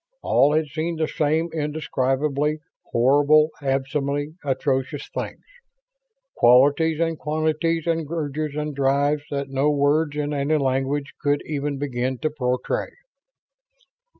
All had seen the same indescribably horrible, abysmally atrocious, things. Qualities and quantities and urges and drives that no words in any language could even begin to portray.